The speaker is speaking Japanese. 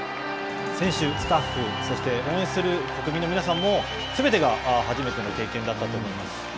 選手、スタッフ、そして応援する国民の皆さんも、すべてが初めての経験だったと思います。